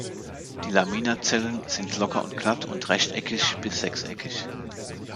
Die Laminazellen sind locker und glatt und rechteckig bis sechseckig.